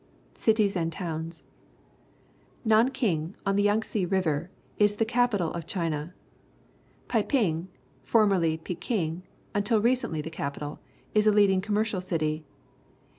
Cities and Towns. — Nanking, on the Yangtze River, is the capital of China. Peiping, formerly Peking, until recently the capital, is a leading commercial citj'.